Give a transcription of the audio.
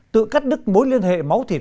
tự cắt đứt mối liên hệ máu thịt